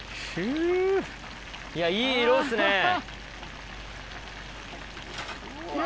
いやいい色っすねー。